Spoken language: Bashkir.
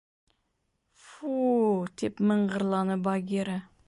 — Фу-у, — тип мыңғырланы Багира.